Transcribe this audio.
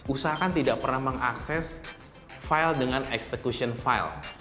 usahakan tidak pernah mengakses file dengan execution file